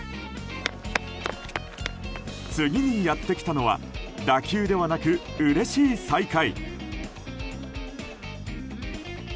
次にやってきたのは打球ではなく、うれしい再会。